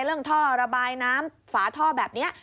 เรื่องท่อระบายน้ำฝาท่อแบบนี้